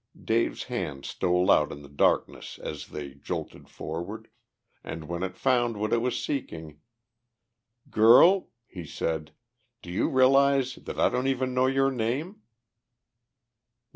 Dave's hand stole out in the darkness as they jolted forward, and when it found what it was seeking, "Girl," he said, "do you realize that I don't even know your name?"